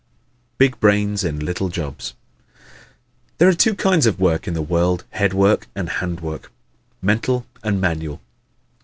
Big Brains in Little Jobs ¶ There are two kinds of work in the world head work and hand work; mental and manual.